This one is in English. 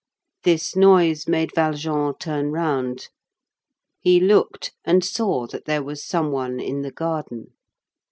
This noise made Valjean turn round. He looked and saw that there was some one in the garden.